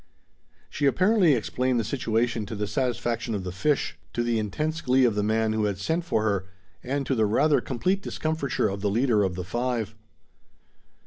She apparently explained the situation to the satisfaction of the fish, to the intense glee of the man who had sent for her, and to the rather complete discomfiture of the leader of the five.